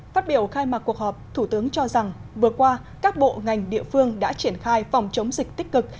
phát biểu khai mạc cuộc họp thủ tướng cho rằng vừa qua các bộ ngành địa phương đã triển khai phòng chống dịch tích cực